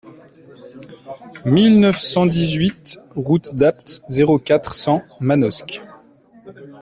mille neuf cent dix-huit route d'Apt, zéro quatre, cent Manosque